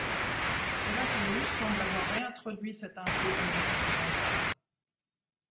Heraclius semble avoir réintroduit cet impôt dans le monde byzantin.